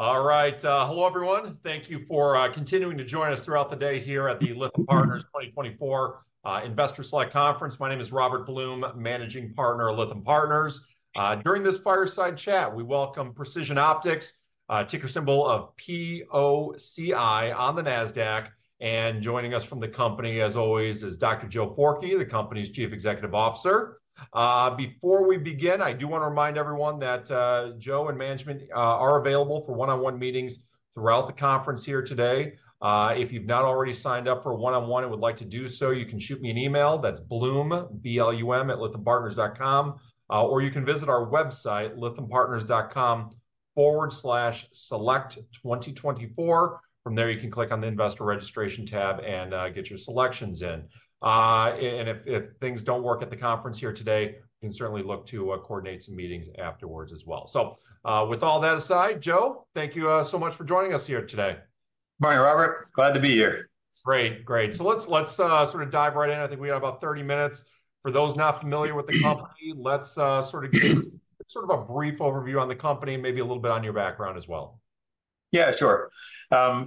All right, hello, everyone. Thank you for continuing to join us throughout the day here at the Lytham Partners 2024 Investor Select Conference. My name is Robert Blum, Managing Partner of Lytham Partners. During this fireside chat, we welcome Precision Optics, ticker symbol of POCI on the NASDAQ, and joining us from the company, as always, is Dr. Joe Forkey, the company's Chief Executive Officer. Before we begin, I do wanna remind everyone that Joe and management are available for one-on-one meetings throughout the conference here today. If you've not already signed up for a one-on-one and would like to do so, you can shoot me an email. That's blum, b-l-u-m, @lythampartners.com, or you can visit our website, lythampartners.com/select2024. From there, you can click on the Investor Registration tab and get your selections in. If things don't work at the conference here today, we can certainly look to coordinate some meetings afterwards as well. With all that aside, Joe, thank you so much for joining us here today. Hi, Robert. Glad to be here. Great. Great. So let's sort of dive right in. I think we have about 30 minutes. For those not familiar with the company, let's sort of give a brief overview on the company and maybe a little bit on your background as well. Yeah, sure.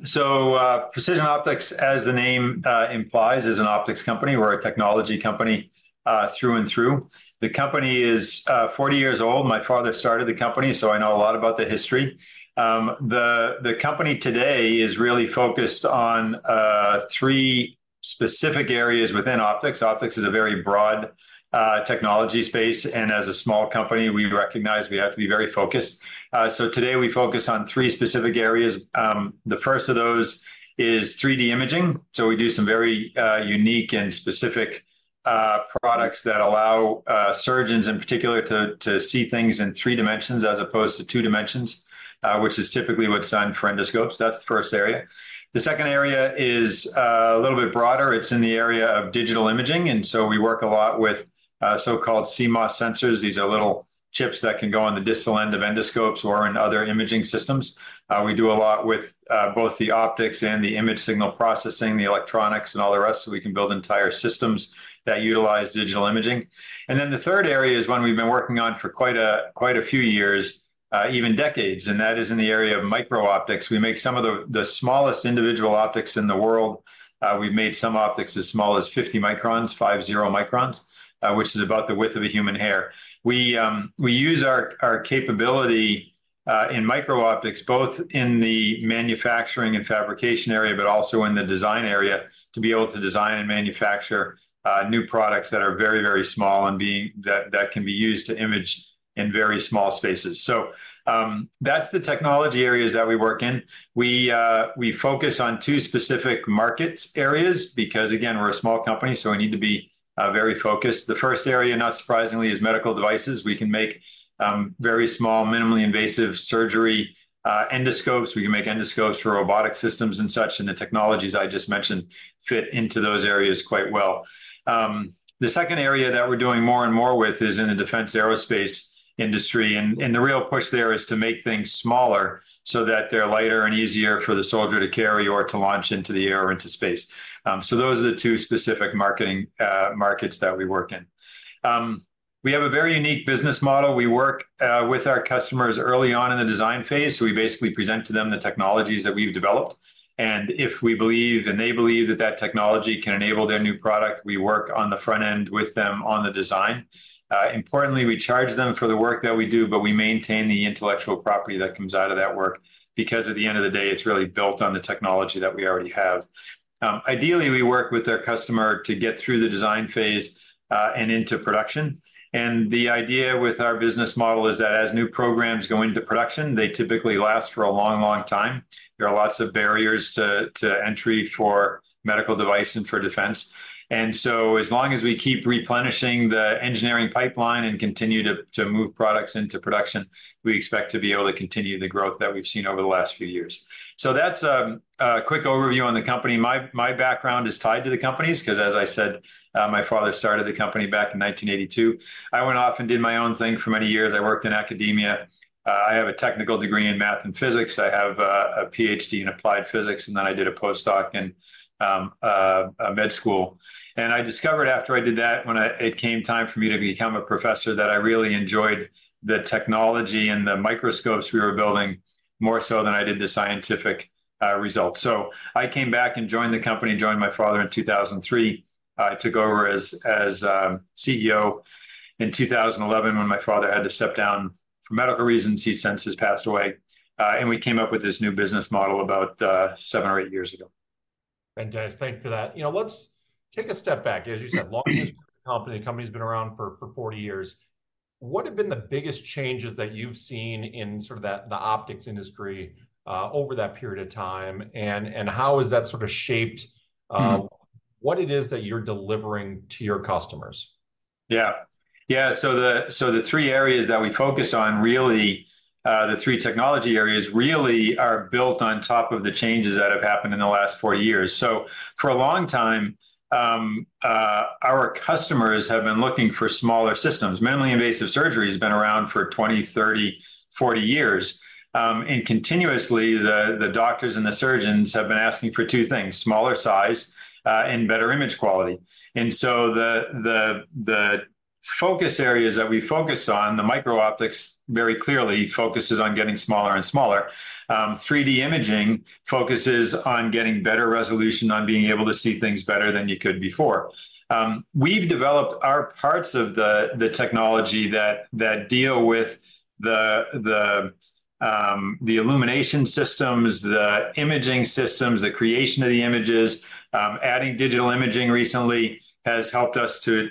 So, Precision Optics, as the name implies, is an optics company. We're a technology company through and through. The company is 40 years old. My father started the company, so I know a lot about the history. The company today is really focused on three specific areas within optics. Optics is a very broad technology space, and as a small company, we recognize we have to be very focused. So today we focus on three specific areas. The first of those is 3D imaging, so we do some very unique and specific products that allow surgeons in particular to see things in three dimensions as opposed to two dimensions, which is typically what's on endoscopes. That's the first area. The second area is a little bit broader. It's in the area of digital imaging, and so we work a lot with so-called CMOS sensors. These are little chips that can go on the distal end of endoscopes or in other imaging systems. We do a lot with both the optics and the image signal processing, the electronics, and all the rest, so we can build entire systems that utilize digital imaging. And then the third area is one we've been working on for quite a few years, even decades, and that is in the area of micro-optics. We make some of the smallest individual optics in the world. We've made some optics as small as 50 microns, which is about the width of a human hair. We use our capability in micro-optics, both in the manufacturing and fabrication area, but also in the design area, to be able to design and manufacture new products that are very, very small and that can be used to image in very small spaces. So, that's the technology areas that we work in. We focus on two specific market areas because, again, we're a small company, so we need to be very focused. The first area, not surprisingly, is medical devices. We can make very small, minimally invasive surgery endoscopes. We can make endoscopes for robotic systems and such, and the technologies I just mentioned fit into those areas quite well. The second area that we're doing more and more with is in the defense aerospace industry, and the real push there is to make things smaller so that they're lighter and easier for the soldier to carry or to launch into the air or into space. So those are the two specific marketing markets that we work in. We have a very unique business model. We work with our customers early on in the design phase, so we basically present to them the technologies that we've developed, and if we believe, and they believe, that that technology can enable their new product, we work on the front end with them on the design. Importantly, we charge them for the work that we do, but we maintain the intellectual property that comes out of that work because at the end of the day, it's really built on the technology that we already have. Ideally, we work with the customer to get through the design phase and into production, and the idea with our business model is that as new programs go into production, they typically last for a long, long time. There are lots of barriers to entry for medical device and for defense, and so as long as we keep replenishing the engineering pipeline and continue to move products into production, we expect to be able to continue the growth that we've seen over the last few years. So that's a quick overview on the company. My background is tied to the company's 'cause, as I said, my father started the company back in 1982. I went off and did my own thing for many years. I worked in academia. I have a technical degree in math and physics. I have a PhD in applied physics, and then I did a postdoc in med school. And I discovered after I did that, when it came time for me to become a professor, that I really enjoyed the technology and the microscopes we were building more so than I did the scientific results. So I came back and joined the company, joined my father in 2003. I took over as CEO in 2011 when my father had to step down for medical reasons. He since has passed away. We came up with this new business model about seven or eight years ago. Fantastic. Thank you for that. You know, let's take a step back. As you said, long history company, the company's been around for 40 years. What have been the biggest changes that you've seen in sort of that, the optics industry, over that period of time, and how has that sort of shaped- Mm... what it is that you're delivering to your customers? Yeah. Yeah, so the three areas that we focus on, really, the three technology areas really are built on top of the changes that have happened in the last 40 years. So for a long time, our customers have been looking for smaller systems. Minimally invasive surgery has been around for 20, 30, 40 years, and continuously, the focus areas that we focus on, the micro-optics very clearly focuses on getting smaller and smaller. 3D imaging focuses on getting better resolution, on being able to see things better than you could before. We've developed our parts of the technology that deal with the illumination systems, the imaging systems, the creation of the images. Adding digital imaging recently has helped us to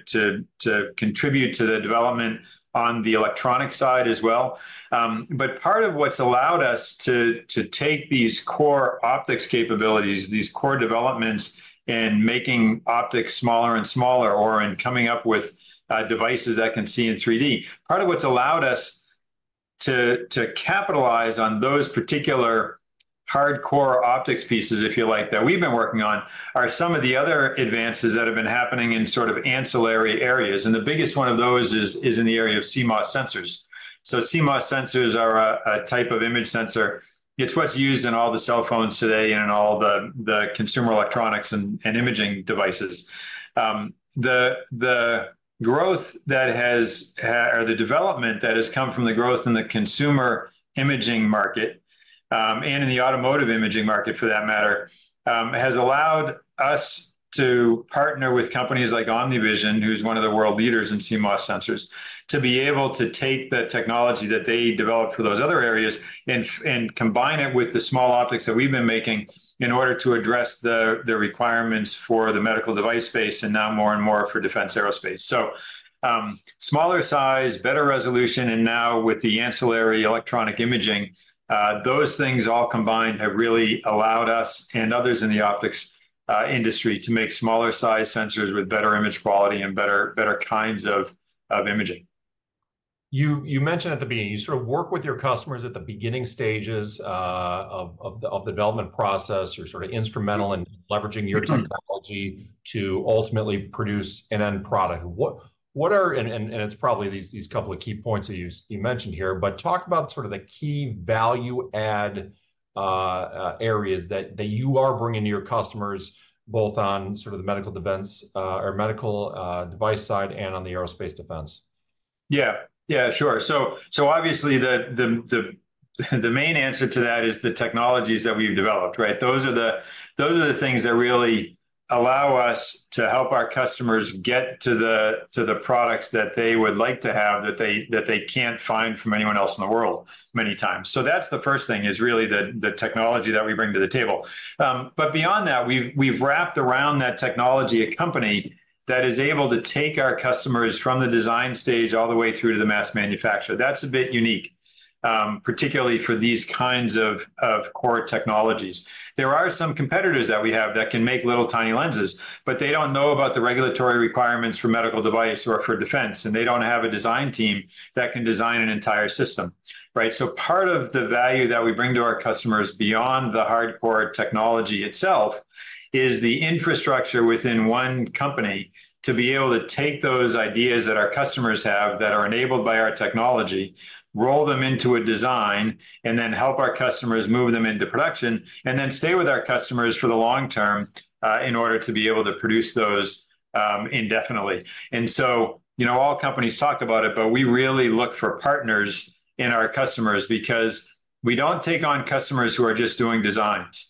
contribute to the development on the electronic side as well. But part of what's allowed us to take these core optics capabilities, these core developments in making optics smaller and smaller, or in coming up with devices that can see in 3D, part of what's allowed us to capitalize on those particular hardcore optics pieces, if you like, that we've been working on, are some of the other advances that have been happening in sort of ancillary areas, and the biggest one of those is in the area of CMOS sensors. So CMOS sensors are a type of image sensor. It's what's used in all the cell phones today and in all the consumer electronics and imaging devices. The development that has come from the growth in the consumer imaging market, and in the automotive imaging market, for that matter, has allowed us to partner with companies like OmniVision, who's one of the world leaders in CMOS sensors, to be able to take the technology that they developed for those other areas and combine it with the small optics that we've been making in order to address the requirements for the medical device space, and now more and more for defense aerospace. So, smaller size, better resolution, and now with the ancillary electronic imaging, those things all combined have really allowed us, and others in the optics industry, to make smaller size sensors with better image quality and better kinds of imaging. You mentioned at the beginning, you sort of work with your customers at the beginning stages of the development process. You're sort of instrumental in leveraging- Mm-hmm... your technology to ultimately produce an end product. What are... And it's probably these couple of key points that you mentioned here, but talk about sort of the key value-add areas that you are bringing to your customers, both on sort of the medical defense, or medical, device side, and on the aerospace defense. Yeah. Yeah, sure. So obviously, the main answer to that is the technologies that we've developed, right? Those are the things that really allow us to help our customers get to the products that they would like to have, that they can't find from anyone else in the world many times. So that's the first thing, is really the technology that we bring to the table. But beyond that, we've wrapped around that technology a company that is able to take our customers from the design stage all the way through to the mass manufacture. That's a bit unique, particularly for these kinds of core technologies. There are some competitors that we have that can make little, tiny lenses, but they don't know about the regulatory requirements for medical device or for defense, and they don't have a design team that can design an entire system, right? So part of the value that we bring to our customers, beyond the hardcore technology itself, is the infrastructure within one company to be able to take those ideas that our customers have, that are enabled by our technology, roll them into a design, and then help our customers move them into production, and then stay with our customers for the long term, in order to be able to produce those, indefinitely. And so, you know, all companies talk about it, but we really look for partners in our customers because we don't take on customers who are just doing designs.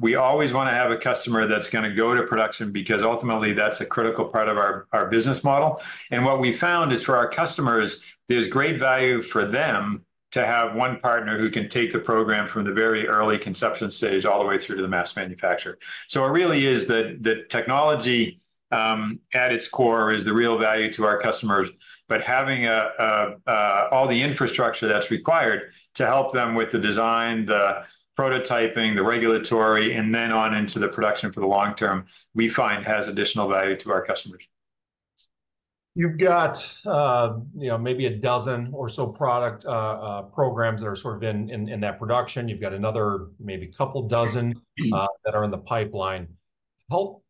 We always wanna have a customer that's gonna go to production, because ultimately, that's a critical part of our business model. What we found is, for our customers, there's great value for them to have one partner who can take the program from the very early conception stage all the way through to the mass manufacture. It really is the technology at its core is the real value to our customers, but having all the infrastructure that's required to help them with the design, the prototyping, the regulatory, and then on into the production for the long term, we find has additional value to our customers. You've got, you know, maybe 12 or so product programs that are sort of in that production. You've got another maybe couple dozen- Mm... that are in the pipeline. Help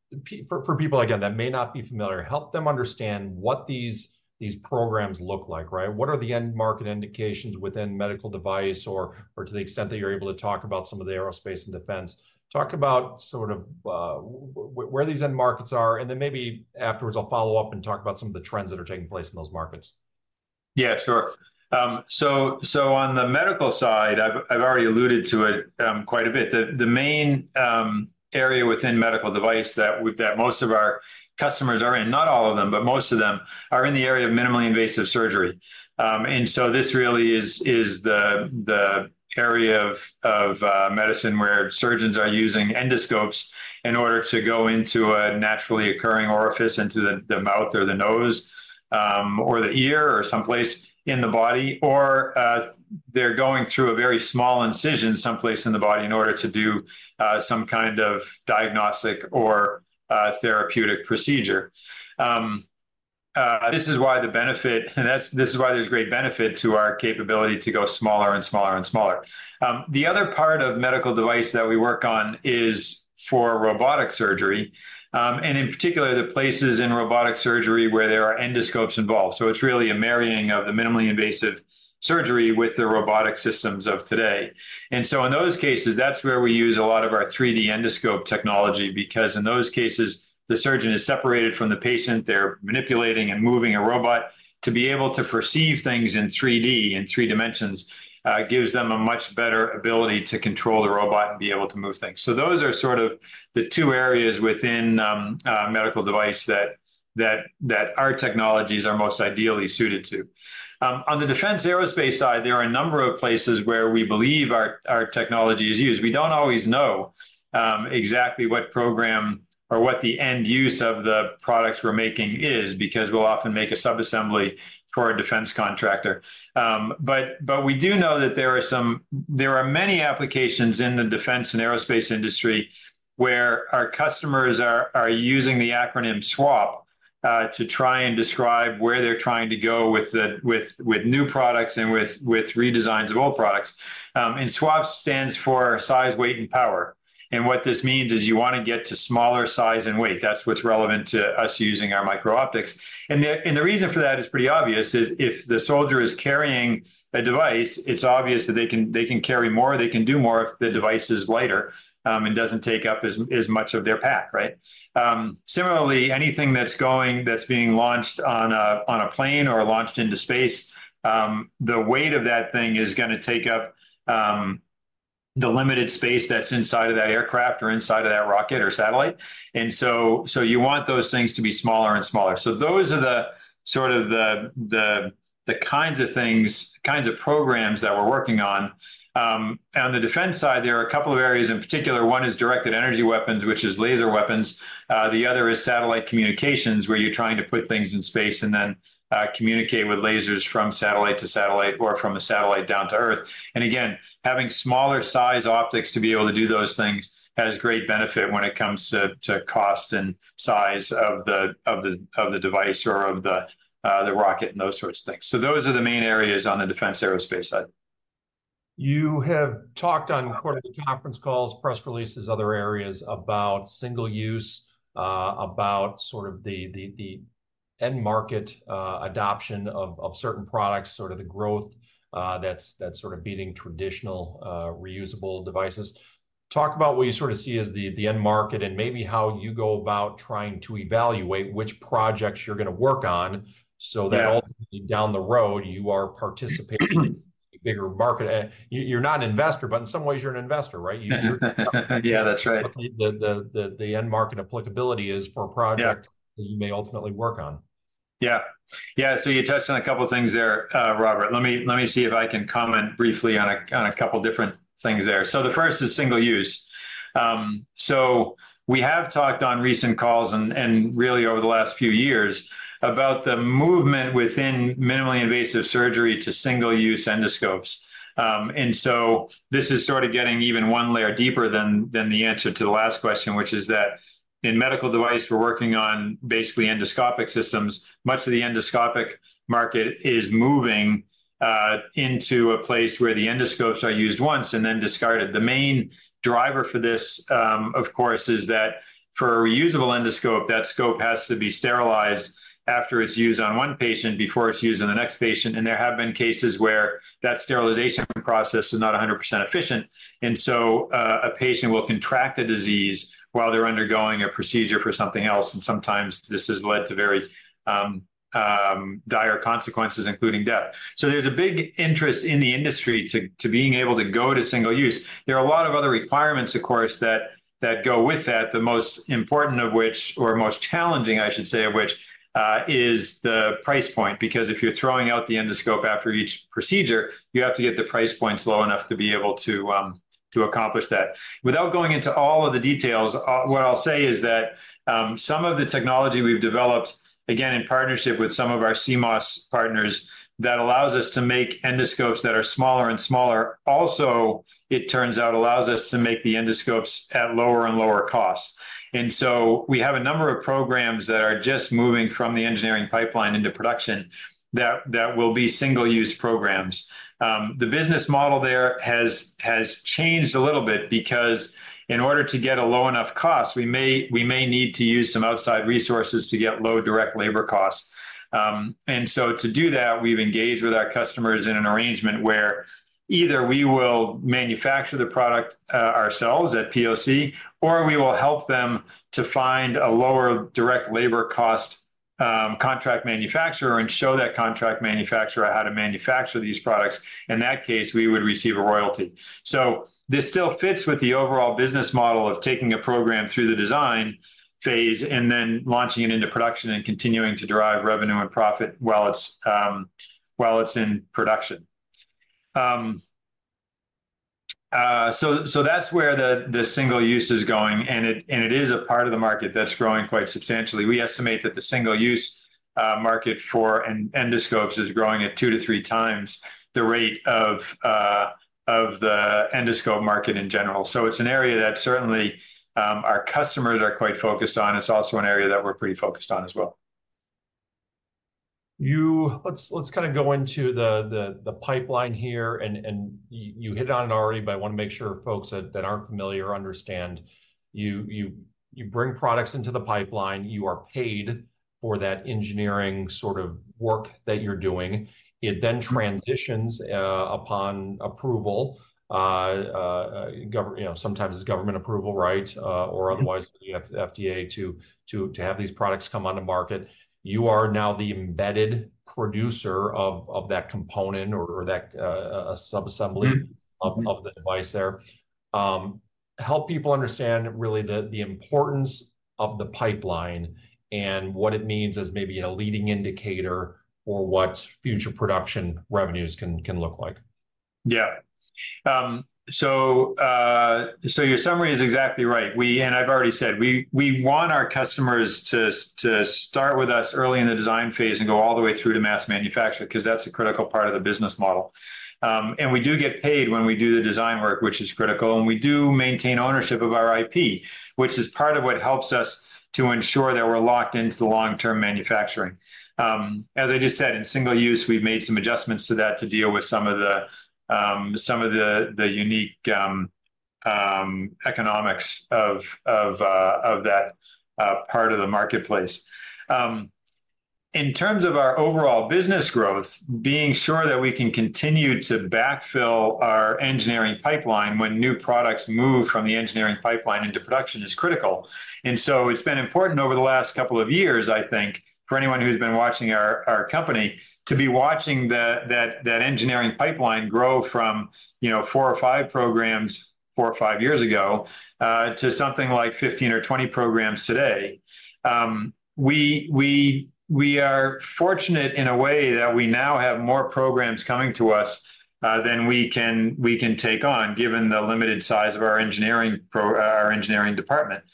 for people, again, that may not be familiar, help them understand what these, these programs look like, right? What are the end market indications within medical device or, to the extent that you're able to talk about some of the aerospace and defense? Talk about sort of, where these end markets are, and then maybe afterwards I'll follow up and talk about some of the trends that are taking place in those markets. Yeah, sure. So on the medical side, I've already alluded to it quite a bit. The main area within medical device that most of our customers are in, not all of them, but most of them, are in the area of minimally invasive surgery. And so this really is the area of medicine where surgeons are using endoscopes in order to go into a naturally occurring orifice, into the mouth or the nose, or the ear, or someplace in the body, or they're going through a very small incision someplace in the body in order to do some kind of diagnostic or therapeutic procedure. This is why the benefit, that's- this is why there's great benefit to our capability to go smaller and smaller and smaller. The other part of medical device that we work on is for robotic surgery, and in particular, the places in robotic surgery where there are endoscopes involved. So it's really a marrying of the minimally invasive surgery with the robotic systems of today. And so in those cases, that's where we use a lot of our 3D endoscope technology, because in those cases, the surgeon is separated from the patient. They're manipulating and moving a robot. To be able to perceive things in 3D, in three dimensions, gives them a much better ability to control the robot and be able to move things. So those are sort of the two areas within a medical device that our technologies are most ideally suited to. On the defense aerospace side, there are a number of places where we believe our technology is used. We don't always know exactly what program or what the end use of the products we're making is, because we'll often make a sub-assembly for a defense contractor. But we do know that there are many applications in the defense and aerospace industry where our customers are using the acronym SWaP to try and describe where they're trying to go with new products and with redesigns of old products. And SWaP stands for size, weight, and power, and what this means is you wanna get to smaller size and weight. That's what's relevant to us using our micro-optics. The reason for that is pretty obvious, if the soldier is carrying a device, it's obvious that they can, they can carry more, they can do more if the device is lighter, and doesn't take up as much of their pack, right? Similarly, anything that's being launched on a plane or launched into space, the weight of that thing is gonna take up the limited space that's inside of that aircraft or inside of that rocket or satellite. And so you want those things to be smaller and smaller. So those are the sort of the kinds of things, kinds of programs that we're working on. On the defense side, there are a couple of areas in particular. One is directed energy weapons, which is laser weapons. The other is satellite communications, where you're trying to put things in space and then communicate with lasers from satellite to satellite or from a satellite down to Earth. And again, having smaller size optics to be able to do those things has great benefit when it comes to cost and size of the device or of the rocket and those sorts of things. So those are the main areas on the defense aerospace side. You have talked on quarterly conference calls, press releases, other areas, about single use, about sort of the end market adoption of certain products, sort of the growth that's sort of beating traditional reusable devices. Talk about what you sort of see as the end market, and maybe how you go about trying to evaluate which projects you're gonna work on- Yeah... so that ultimately down the road, you are participating in a bigger market. You're not an investor, but in some ways you're an investor, right? You, you- Yeah, that's right. The end market applicability is for a project- Yeah... that you may ultimately work on. Yeah. Yeah, so you touched on a couple of things there, Robert. Let me, let me see if I can comment briefly on a, on a couple different things there. So the first is single-use. So we have talked on recent calls and, and really over the last few years, about the movement within minimally invasive surgery to single-use endoscopes. And so this is sort of getting even one layer deeper than, than the answer to the last question, which is that in medical device, we're working on basically endoscopic systems. Much of the endoscopic market is moving into a place where the endoscopes are used once and then discarded. The main driver for this, of course, is that for a reusable endoscope, that scope has to be sterilized after it's used on one patient before it's used on the next patient, and there have been cases where that sterilization process is not 100% efficient, and so, a patient will contract a disease while they're undergoing a procedure for something else, and sometimes this has led to very, dire consequences, including death. So there's a big interest in the industry to being able to go to single use. There are a lot of other requirements, of course, that go with that, the most important of which, or most challenging, I should say, of which, is the price point. Because if you're throwing out the endoscope after each procedure, you have to get the price points low enough to be able to to accomplish that. Without going into all of the details, what I'll say is that, some of the technology we've developed, again, in partnership with some of our CMOS partners, that allows us to make endoscopes that are smaller and smaller, also, it turns out, allows us to make the endoscopes at lower and lower cost. And so we have a number of programs that are just moving from the engineering pipeline into production that will be single-use programs. The business model there has changed a little bit because in order to get a low enough cost, we may need to use some outside resources to get low direct labor costs. To do that, we've engaged with our customers in an arrangement where either we will manufacture the product ourselves at POC, or we will help them to find a lower direct labor cost contract manufacturer and show that contract manufacturer how to manufacture these products. In that case, we would receive a royalty. So this still fits with the overall business model of taking a program through the design phase, and then launching it into production and continuing to derive revenue and profit while it's in production. So that's where the single-use is going, and it is a part of the market that's growing quite substantially. We estimate that the single-use market for endoscopes is growing at two to three times the rate of the endoscope market in general. It's an area that certainly, our customers are quite focused on. It's also an area that we're pretty focused on as well. Let's kind of go into the pipeline here, and you hit on it already, but I wanna make sure folks that aren't familiar understand. You bring products into the pipeline. You are paid for that engineering sort of work that you're doing. It then transitions, you know, sometimes it's government approval, right? Or otherwise- Mm-hmm... the FDA to have these products come on the market. You are now the embedded producer of that component or that sub-assembly- Mm, mm... of the device there. Help people understand really the importance of the pipeline and what it means as maybe a leading indicator for what future production revenues can look like. Yeah. So, your summary is exactly right. We, and I've already said, we want our customers to start with us early in the design phase and go all the way through to mass manufacture, 'cause that's a critical part of the business model. And we do get paid when we do the design work, which is critical, and we do maintain ownership of our IP, which is part of what helps us to ensure that we're locked into the long-term manufacturing. As I just said, in single use, we've made some adjustments to that to deal with some of the unique economics of that part of the marketplace. In terms of our overall business growth, being sure that we can continue to backfill our engineering pipeline when new products move from the engineering pipeline into production is critical. So it's been important over the last couple of years, I think, for anyone who's been watching our company, to be watching that engineering pipeline grow from, you know, 4 or 5 programs 4 or 5 years ago to something like 15 or 20 programs today. We are fortunate in a way that we now have more programs coming to us than we can take on, given the limited size of our engineering department.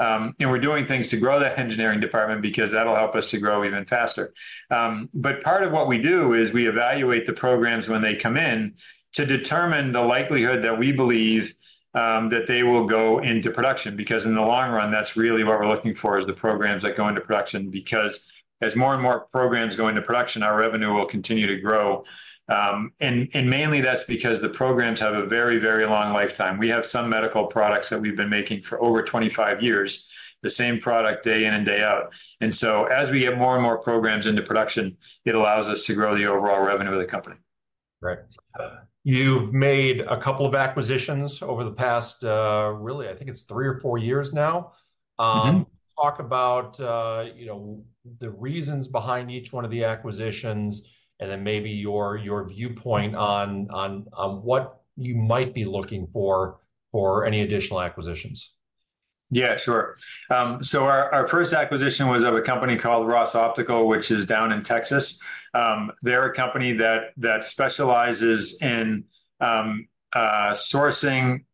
And we're doing things to grow that engineering department because that'll help us to grow even faster. But part of what we do is we evaluate the programs when they come in to determine the likelihood that we believe that they will go into production. Because in the long run, that's really what we're looking for, is the programs that go into production. Because as more and more programs go into production, our revenue will continue to grow. And mainly that's because the programs have a very, very long lifetime. We have some medical products that we've been making for over 25 years, the same product day in and day out. And so as we get more and more programs into production, it allows us to grow the overall revenue of the company. Right. You've made a couple of acquisitions over the past, really, I think it's 3 or 4 years now. Mm-hmm. Talk about, you know, the reasons behind each one of the acquisitions, and then maybe your viewpoint on what you might be looking for for any additional acquisitions. Yeah, sure. So our first acquisition was of a company called Ross Optical, which is down in Texas. They're a company that specializes in sourcing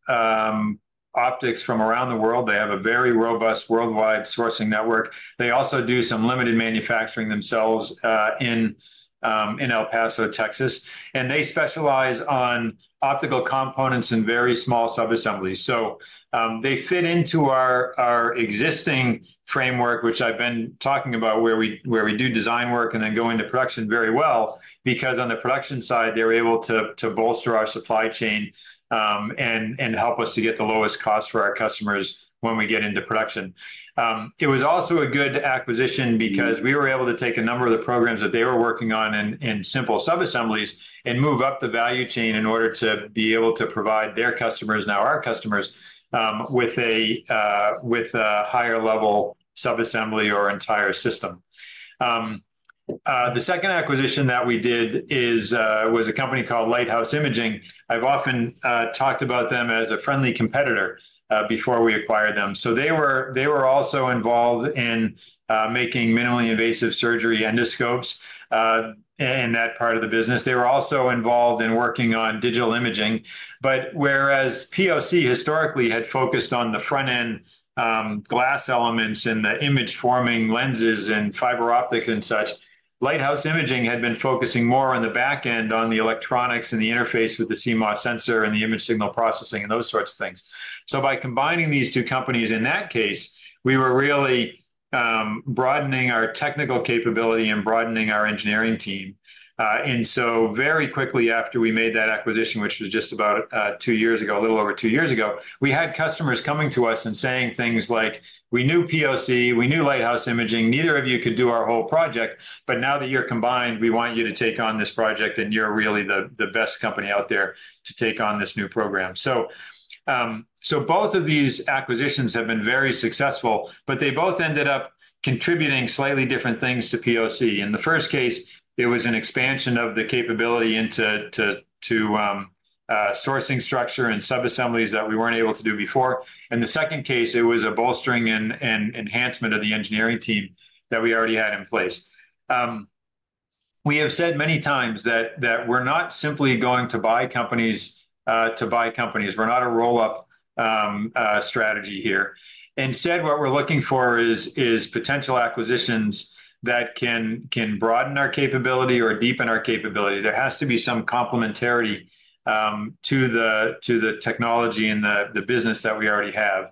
optics from around the world. They have a very robust worldwide sourcing network. They also do some limited manufacturing themselves in El Paso, Texas, and they specialize on optical components and very small sub-assemblies. So they fit into our existing framework, which I've been talking about, where we do design work and then go into production very well, because on the production side, they're able to bolster our supply chain and help us to get the lowest cost for our customers when we get into production. It was also a good acquisition- Mm... because we were able to take a number of the programs that they were working on in simple sub-assemblies and move up the value chain in order to be able to provide their customers, now our customers, with a higher level sub-assembly or entire system. The second acquisition that we did was a company called Lighthouse Imaging. I've often talked about them as a friendly competitor before we acquired them. So they were also involved in making minimally invasive surgery endoscopes in that part of the business. They were also involved in working on digital imaging. But whereas POC historically had focused on the front end, glass elements and the image-forming lenses and fiber optics and such, Lighthouse Imaging had been focusing more on the back end, on the electronics and the interface with the CMOS sensor and the image signal processing, and those sorts of things. So by combining these two companies, in that case, we were really, broadening our technical capability and broadening our engineering team. And so very quickly after we made that acquisition, which was just about, two years ago, a little over two years ago, we had customers coming to us and saying things like: "We knew POC, we knew Lighthouse Imaging. Neither of you could do our whole project, but now that you're combined, we want you to take on this project, and you're really the best company out there to take on this new program." So, both of these acquisitions have been very successful, but they both ended up contributing slightly different things to POC. In the first case, it was an expansion of the capability into sourcing structure and sub-assemblies that we weren't able to do before. In the second case, it was a bolstering and enhancement of the engineering team that we already had in place. We have said many times that we're not simply going to buy companies to buy companies. We're not a roll-up strategy here. Instead, what we're looking for is potential acquisitions that can broaden our capability or deepen our capability. There has to be some complementarity to the technology and the business that we already have.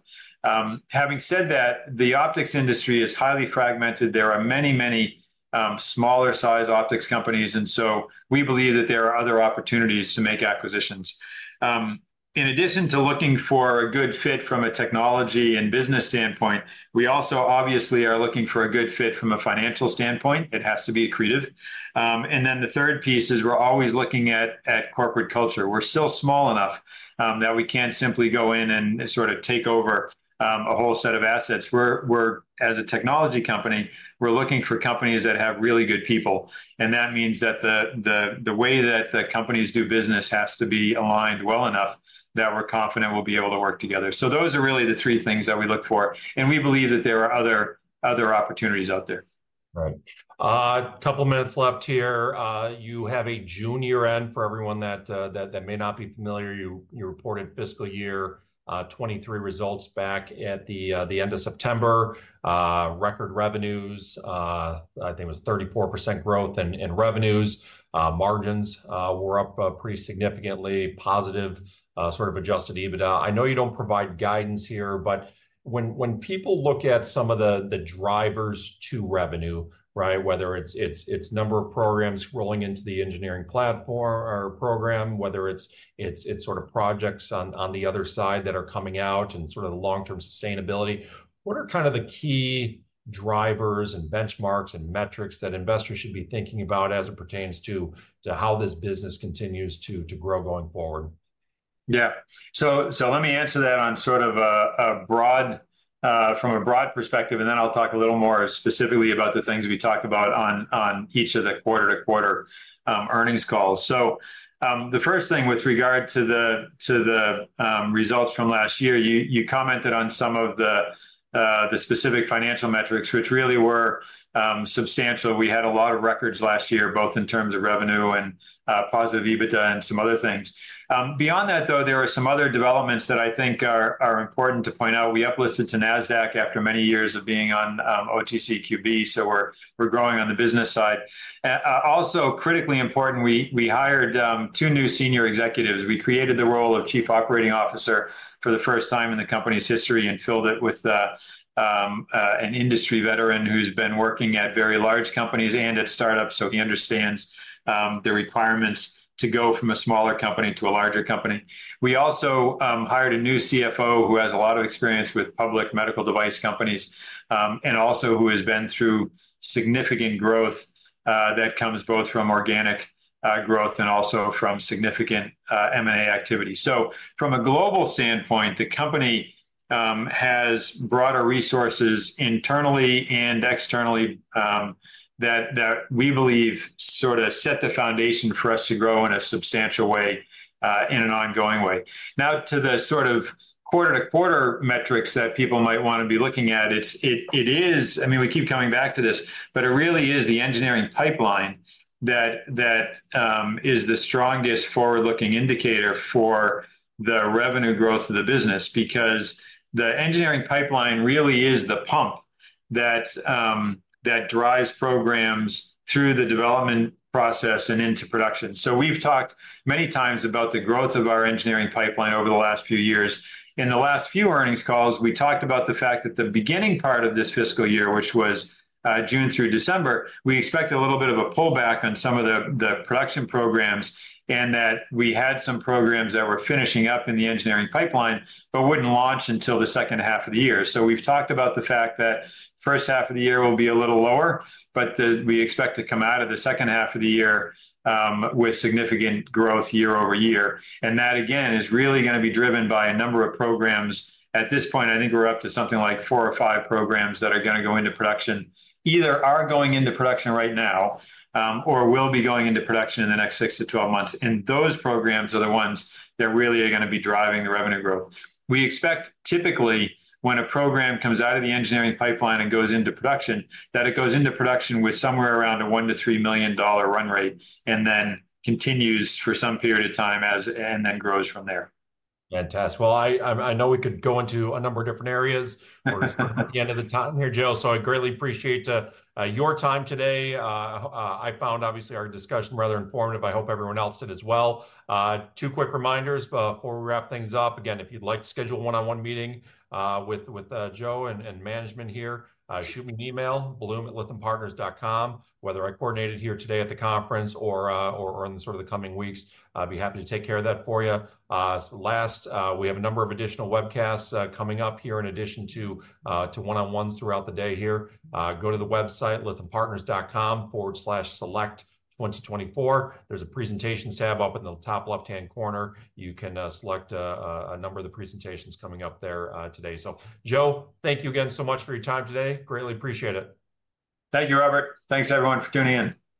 Having said that, the optics industry is highly fragmented. There are many smaller size optics companies, and so we believe that there are other opportunities to make acquisitions. In addition to looking for a good fit from a technology and business standpoint, we also obviously are looking for a good fit from a financial standpoint. It has to be accretive. And then the third piece is we're always looking at corporate culture. We're still small enough that we can't simply go in and sort of take over a whole set of assets. We're, as a technology company, we're looking for companies that have really good people, and that means that the way that the companies do business has to be aligned well enough that we're confident we'll be able to work together. So those are really the three things that we look for, and we believe that there are other opportunities out there. Right. Couple minutes left here. You have a junior end for everyone that, that may not be familiar. You reported fiscal year 2023 results back at the end of September. Record revenues, I think it was 34% growth in revenues. Margins were up pretty significantly, positive, sort of adjusted EBITDA. I know you don't provide guidance here, but when people look at some of the drivers to revenue, right, whether it's number of programs rolling into the engineering platform or program, whether it's sort of projects on the other side that are coming out and sort of the long-term sustainability, what are kind of the key drivers and benchmarks and metrics that investors should be thinking about as it pertains to how this business continues to grow going forward? Yeah. So let me answer that on sort of a broad perspective, and then I'll talk a little more specifically about the things we talk about on each of the quarter-to-quarter earnings calls. So the first thing with regard to the results from last year, you commented on some of the specific financial metrics, which really were substantial. We had a lot of records last year, both in terms of revenue and positive EBITDA and some other things. Beyond that, though, there are some other developments that I think are important to point out. We uplisted to NASDAQ after many years of being on OTCQB, so we're growing on the business side. Also critically important, we hired two new senior executives. We created the role of Chief Operating Officer for the first time in the company's history, and filled it with an industry veteran who's been working at very large companies and at startups, so he understands the requirements to go from a smaller company to a larger company. We also hired a new CFO, who has a lot of experience with public medical device companies, and also who has been through significant growth that comes both from organic growth and also from significant M&A activity. So from a global standpoint, the company has broader resources internally and externally that we believe sort of set the foundation for us to grow in a substantial way in an ongoing way. Now, to the sort of quarter-to-quarter metrics that people might wanna be looking at, it's. I mean, we keep coming back to this, but it really is the engineering pipeline that is the strongest forward-looking indicator for the revenue growth of the business. Because the engineering pipeline really is the pump that drives programs through the development process and into production. So we've talked many times about the growth of our engineering pipeline over the last few years. In the last few earnings calls, we talked about the fact that the beginning part of this fiscal year, which was June through December, we expect a little bit of a pullback on some of the production programs, and that we had some programs that were finishing up in the engineering pipeline, but wouldn't launch until the second half of the year. So we've talked about the fact that first half of the year will be a little lower, but we expect to come out of the second half of the year with significant growth year over year. And that, again, is really gonna be driven by a number of programs. At this point, I think we're up to something like 4 or 5 programs that are gonna go into production, either are going into production right now, or will be going into production in the next six to 12 months, and those programs are the ones that really are gonna be driving the revenue growth. We expect typically when a program comes out of the engineering pipeline and goes into production, that it goes into production with somewhere around a $1-$3 million run rate, and then continues for some period of time, as... and then grows from there. Fantastic. Well, I know we could go into a number of different areas. We're at the end of the time here, Joe, so I greatly appreciate your time today. I found obviously our discussion rather informative. I hope everyone else did as well. Two quick reminders before we wrap things up. Again, if you'd like to schedule a one-on-one meeting with Joe and management here, shoot me an email, blum@lythampartners.com. Whether I coordinated here today at the conference or in the sort of the coming weeks, I'd be happy to take care of that for you. Last, we have a number of additional webcasts coming up here in addition to one-on-ones throughout the day here. Go to the website, lythampartners.com/select2024. There's a Presentations tab up in the top left-hand corner. You can select a number of the presentations coming up there today. So Joe, thank you again so much for your time today. Greatly appreciate it. Thank you, Robert. Thanks, everyone, for tuning in.